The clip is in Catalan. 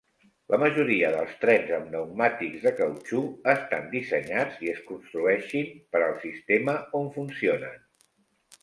La majoria dels trens amb pneumàtics de cautxú estan dissenyats i es construeixin per al sistema on funcionen.